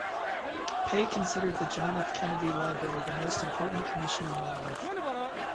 Pei considered the John F. Kennedy Library the most important commission in my life.